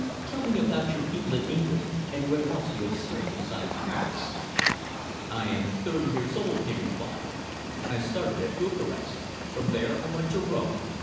Tell me about your people in England, and where else you have served besides Paris?" "I am thirty years old," he replied. "I started at Bukarest. From there I went to Rome.